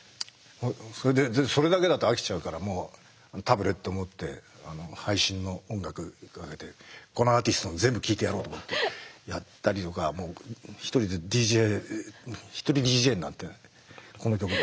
それだけだと飽きちゃうからタブレット持って配信の音楽かけてこのアーティストの全部聞いてやろうと思ってやったりとか一人でＤＪ一人ＤＪになって「この曲だ。